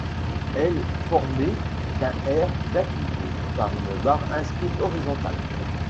Elle formée d’un R diacrité par une barre inscrite horizontale.